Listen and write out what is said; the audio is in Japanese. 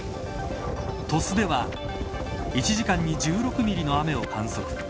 鳥栖では１時間に１６ミリの雨を観測。